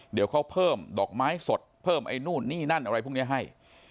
เดี๋ยวเขาเพิ่มดอกไม้สดเพิ่มไอ้นู่นนี่นั่นอะไรพวกนี้ให้